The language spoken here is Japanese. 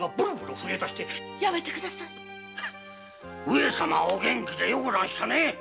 上様はお元気でようござんした。